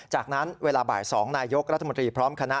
จากนั้นเวลาบ่าย๒นายกรัฐมนตรีพร้อมคณะ